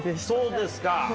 そうですか。